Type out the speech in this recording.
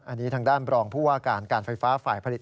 อันนี้ทางด้านบรองผู้ว่าการการไฟฟ้าฝ่ายผลิต